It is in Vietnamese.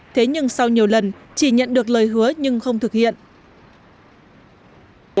thế nhưng sau nhiều lần chỉ nhận được lời hứa nhưng không thực hiện